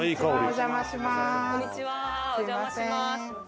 お邪魔します。